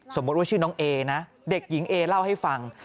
สมมุติว่าชื่อน้องเอนะเด็กหญิงเอเล่าให้ฟัง